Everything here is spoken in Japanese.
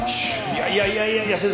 いやいやいやいや先生